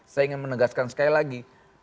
saya ingin menegaskan sekali lagi